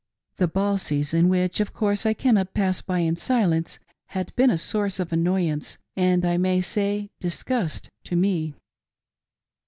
The ball season, which, of course, I cannot pass by in silence, had been a source of annoyance, and, I may say, disgust to me.